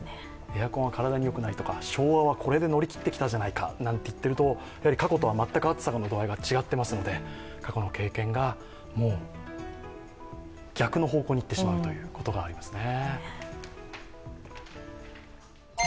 エアコンは体によくないとか、昭和はこれで乗り切ってきたじゃないかとか言っていますと過去とは全く暑さの度合いが違っていますので過去の経験がもう逆の方向に行ってしまうということがありますね。